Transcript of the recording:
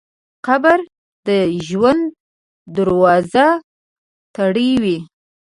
قبر د ژوند دروازه تړوي.